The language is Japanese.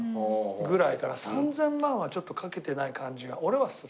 ３０００万はちょっとかけてない感じが俺はする。